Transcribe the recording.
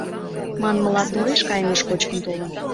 Манмыла, тореш кайымеш кочкын толын.